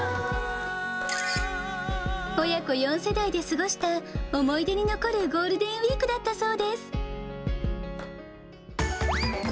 親子４世代で過ごした、思い出に残るゴールデンウィークだったそうです。